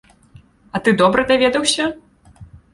А ты добра даведаўся?